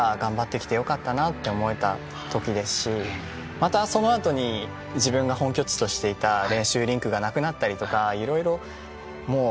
またその後に自分が本拠地としていた練習リンクがなくなったりとか色々もう。